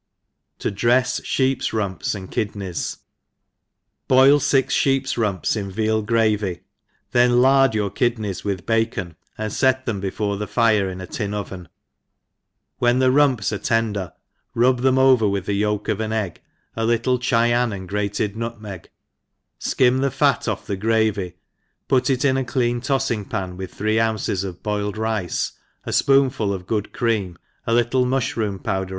o drefs Sheep's Rumps uwi/KiDl^EYs* • BOIL fix (heaps' rumps in veal gravy, then lard your kidneys with bacon, and let them be fore the fire in a tin oven ; when the rumps are tender, rub them over^with the yolk of an eggj a little Cbyan and grated iiutmeg^ikim the Mt off the gravy, put it io a clean tolling pan, with three qupces of boiled rice, a fpoontul of good cream, a little muQirQOin povirder